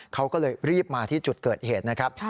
เขาก็เลยรีบมาที่จุดเกิดเหตุนะครับ